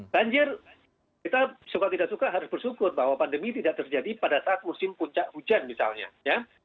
banjir kita suka tidak suka harus bersyukur bahwa pandemi tidak terjadi pada saat musim puncak hujan misalnya ya